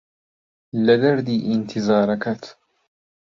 لە دەردی ئینتیزارەکەت